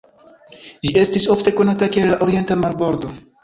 Ĝi estis ofte konata kiel la "orienta marbordo".